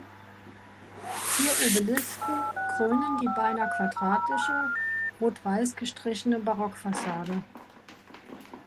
Vier Obelisken krönen die beinahe quadratische, rot-weiß gestrichene Barockfassade.